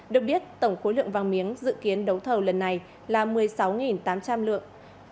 được biết tổng khối lượng vàng miếng dự kiến đấu thầu lần này là một mươi sáu tám trăm linh lượng